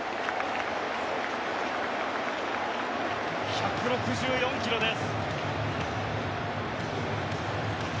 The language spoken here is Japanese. １６４キロです。